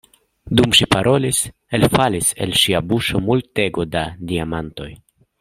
Dum ŝi parolis, elfalis el ŝia buŝo multego da diamantoj.